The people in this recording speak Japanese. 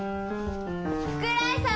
福来さん